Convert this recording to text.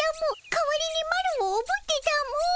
かわりにマロをおぶってたも。